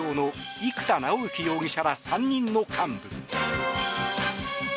生田尚之容疑者ら３人の幹部。